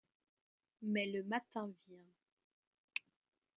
Mais le matin vient…